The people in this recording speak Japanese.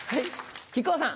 木久扇さん。